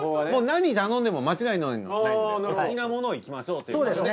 もう何頼んでも間違いないんでお好きなものをいきましょうということで。